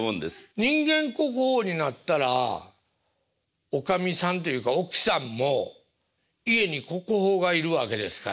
人間国宝になったらおかみさんというか奥さんも家に国宝がいるわけですから。